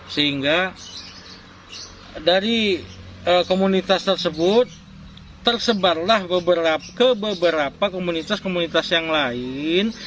sehingga dari komunitas tersebut tersebarlah ke beberapa komunitas komunitas yang lain